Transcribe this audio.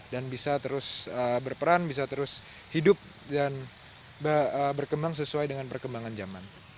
bisa terus berperan bisa terus hidup dan berkembang sesuai dengan perkembangan zaman